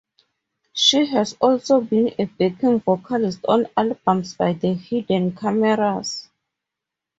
She has also been a backing vocalist on albums by The Hidden Cameras.